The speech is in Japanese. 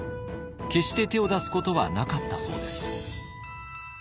決して手を出すことはなかったそうです。